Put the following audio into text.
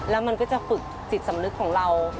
แล้วมันก็จะฝึกจิตสำนึกของเรา